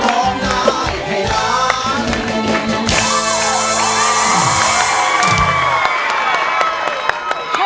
ร้องได้ให้ล้าน